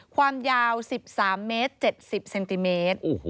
ความยาว๑๓เมตร๗๐เซนติเมตร